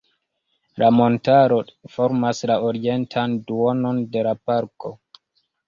La montaro formas la orientan duonon de la Parko.